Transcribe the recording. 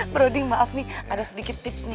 prodi maaf nih ada sedikit tips nih